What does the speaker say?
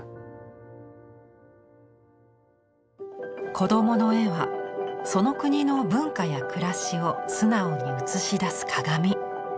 子どもの絵はその国の文化や暮らしを素直に映し出す鏡。